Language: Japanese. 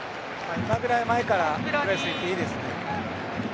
今ぐらい前から行っていいですね。